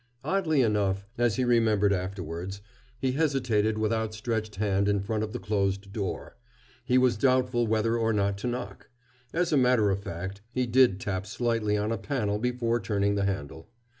Oddly enough, as he remembered afterwards, he hesitated with outstretched hand in front of the closed door. He was doubtful whether or not to knock. As a matter of fact, he did tap slightly on a panel before turning the handle.